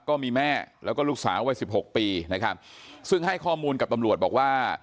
ก็มีแม่แล้วก็ลูกสาววัยสิบหกปีนะครับซึ่งให้ข้อมูลกับตำรวจบอกว่า